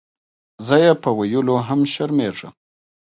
زۀ یې پۀ ویلو هم شرمېږم.